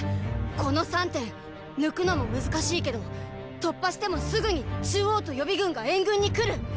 この三点抜くのも難しいけど突破してもすぐに中央と予備軍が援軍に来る！